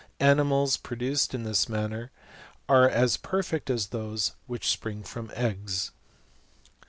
Animals pro duced in this manner are as perfect as those which spring from eggs.